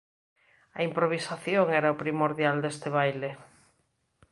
A improvisación era o primordial deste baile.